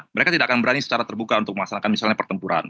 mereka tidak akan berani secara terbuka untuk melaksanakan misalnya pertempuran